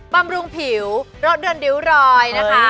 บำรุงผิวรสเดินริ้วรอยนะคะ